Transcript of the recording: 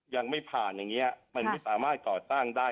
ยังไม่ผ่านอย่างนี้มันไม่สามารถก่อตั้งได้